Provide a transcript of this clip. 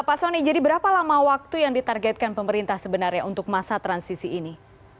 pak soni jadi berapa lama waktu yang ditargetkan pemerintah sebenarnya untuk masa transisi ini